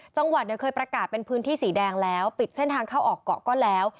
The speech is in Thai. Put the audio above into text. จังหวัดเนี่ยเคยประกาศเป็นพื้นที่สีแดงแล้วปิดเส้นทางเข้าออกเกาะก็แล้ว